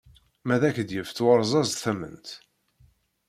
Ma ad ak-d-yefk warẓez tamment.